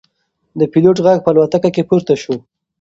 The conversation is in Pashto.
د پیلوټ غږ په الوتکه کې پورته شو.